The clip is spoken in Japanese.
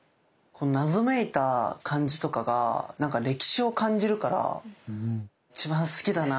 謎めいた感じとかがなんか歴史を感じるから一番好きだな。